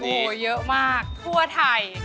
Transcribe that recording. โอ้โหเยอะมากทั่วไทย